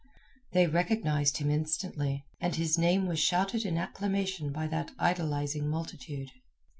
They recognized him instantly, and his name was shouted in acclamation by that idolizing multitude.